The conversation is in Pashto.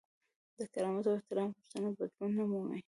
د کرامت او احترام غوښتنه بدلون نه مومي.